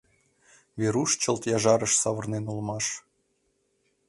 Веруш чылт яжарыш савырнен улмаш.